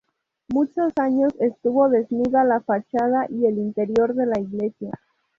Muchos años estuvo desnuda la fachada y el interior de la iglesia.